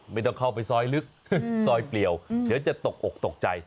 ไม่ต้องเข้าไปสอยลึกสอยเปรียวเผื่อจะตกอกตกใจ